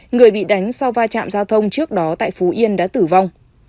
người bị đánh sau va chạm giao thông trước đó tại phú yên đã tử vong